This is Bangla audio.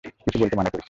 কিছু বলতে মানা করেছি।